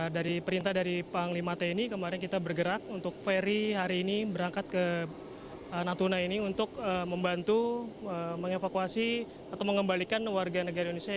dari perintah dari panglima tni kemarin kita bergerak untuk ferry hari ini berangkat ke natuna ini untuk membantu mengevakuasi atau mengembalikan warga negara indonesia